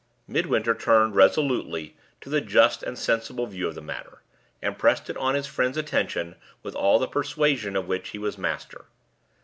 Midwinter returned resolutely to the just and sensible view of the matter, and pressed it on his friend's attention with all the persuasion of which he was master.